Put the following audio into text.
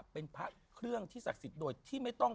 เป็นพระเครื่องที่ศักดิ์สิทธิ์โดยที่ไม่ต้อง